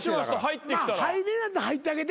入れるんやったら入ってあげて。